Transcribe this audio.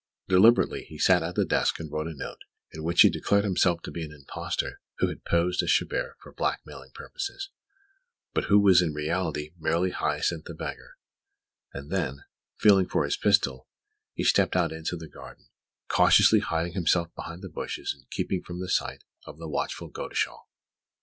Deliberately, he sat at the desk and wrote a note, in which he declared himself to be an impostor who had posed as Chabert for blackmailing purposes, but who was in reality merely Hyacinth the Beggar; and then, feeling for his pistol, he stepped out into the garden, cautiously hiding himself behind the bushes and keeping from the sight of the watchful Godeschal.